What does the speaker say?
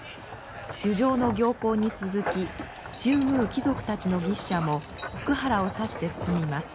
主上の行幸に続き中宮貴族たちの牛車も福原を指して進みます。